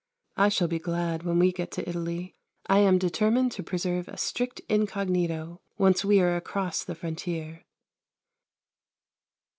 I shall be glad when we get to Italy. I am determined to preserve a strict incognito, once we are across the frontier.